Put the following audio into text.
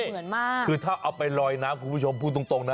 เฉพาะเหมือนถ้าเอาไปลอยน้ำคุณผู้ชมคุณผู้ตรงนะ